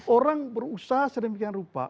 orang berusaha sedemikian rupa